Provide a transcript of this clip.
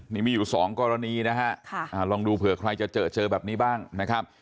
นี่มีอยู่สองกรณีนะฮะลองดูเผื่อใครจะเจอเจอแบบนี้บ้างนะครับ